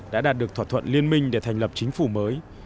đã đạt được thỏa thuận liên minh để thành lập chính phủ mới